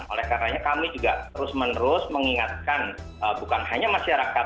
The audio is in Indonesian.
oleh karena kami juga terus menerus mengingatkan bukan hanya masyarakat